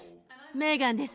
メーガンです。